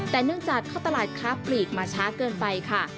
แต่เนื่องจากเข้าตลาดค้าปลีกมาช้าเกินไปค่ะ